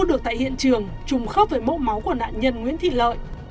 được tại hiện trường trùng khớp với mẫu máu của nạn nhân nguyễn thị lợi